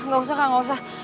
nggak usah kak gak usah